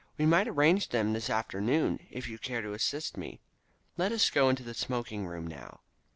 We might arrange them this afternoon, if you care to assist me. Let us go into the smoking room now."